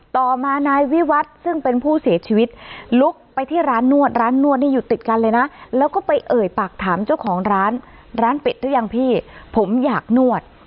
ต่อมานายวิวัฒน์ซึ่งเป็นผู้เสียชีวิตลุกไปที่ร้านนวดร้านนวดนี่อยู่ติดกันเลยนะแล้วก็ไปเอ่ยปากถามเจ้าของร้านร้านปิดหรือยังพี่ผมอยากนวด